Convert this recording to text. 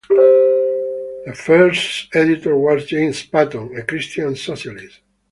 The first editor was James Paton, a Christian Socialist.